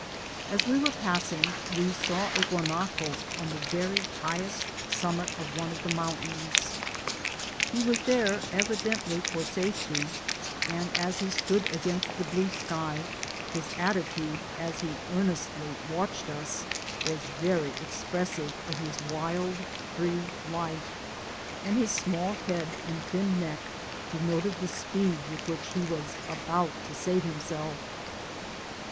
As we were passing we saw a guanaco on the very highest summit of one of the mountains. He was there evidently for safety; and as he stood against the blue sky, his attitude, as he earnestly watched us, was very expressive of hb wild free life ; and his small head and thin neck denoted the speed with which he was about to save himself.